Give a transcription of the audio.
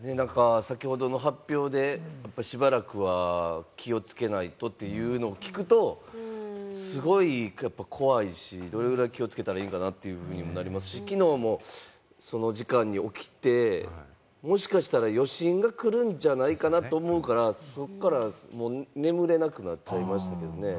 先ほどの発表で、しばらくは気をつけないとっていうのを聞くと、すごい怖いし、どれぐらい気をつけたらいいんかなってことになりますし、昨日もその時間に起きて、もしかしたら余震が来るんじゃないかなと思うから、そこからもう眠れなくなっちゃいましたけどね。